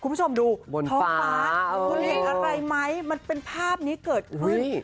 คุณผู้ชมดูบนท้องฟ้าคุณเห็นอะไรไหมมันเป็นภาพนี้เกิดขึ้น